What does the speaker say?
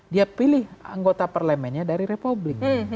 dia pilih anggota parlemennya dari republik